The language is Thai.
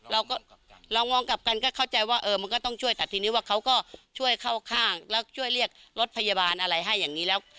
เรามองกลับกันก็เข้าใจว่าเออมันก็ต้องช่วยแต่ทีนี้ว่าเขาก็ช่วยเข้าข้างแล้วช่วยเรียกรถพยาบาลอะไรให้อย่างนี้แล้ว